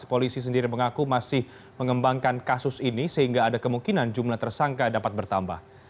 polisi sendiri mengaku masih mengembangkan kasus ini sehingga ada kemungkinan jumlah tersangka dapat bertambah